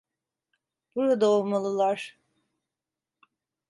Burada olmalılar.